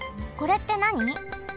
これってなに？